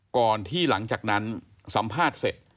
ก่อนที่หลังจากนั้นสัมภาษณ์เสร็จ